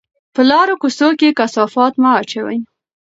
په لارو کوڅو کې کثافات مه اچوئ.